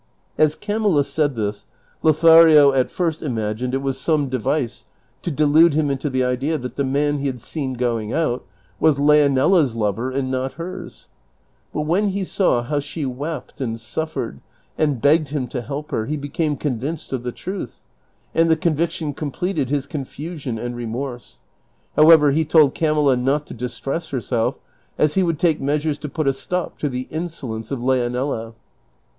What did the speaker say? As Camilla said this Lothario at first imagined it was some device 294 DON QUIXOTE. to delude liim into the idea that the man he had seen going out was Leonela's lover and not hers ; but when he saw liow she wept and suffered, and begged him to help her, he became convinced of the truth, and the conviction completed his contusion and remorse; how ever, he told Camilla not to distress herself, as he would lake meas ures to put a stop to the insolence of Leonela.